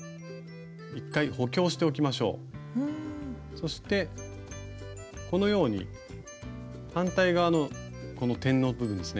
そしてこのように反対側のこの点の部分ですね